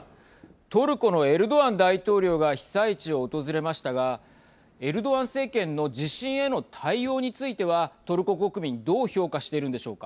トルコのエルドアン大統領が被災地を訪れましたがエルドアン政権の地震への対応についてはトルコ国民どう評価しているんでしょうか。